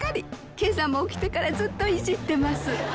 けさも起きてからずっといじってます。